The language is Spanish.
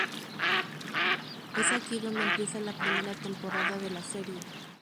Es aquí donde empieza la primera temporada de la serie.